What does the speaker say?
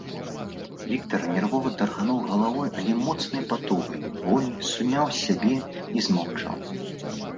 Віктар нервова таргануў галавой, але моцнай патугаю волі суняў сябе і змоўчаў.